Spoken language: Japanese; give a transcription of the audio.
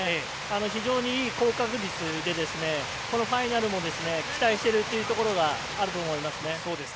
非常に高確率でこのファイナルも期待しているというところがあると思います。